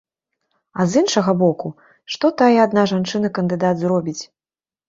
А з іншага боку, што тая адна жанчына-кандыдат зробіць?